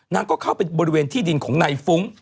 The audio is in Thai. ก็เข้าไปบริเวณที่ดินของนายฟุ้ง